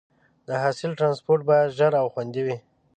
د حاصل ټرانسپورټ باید ژر او خوندي وي.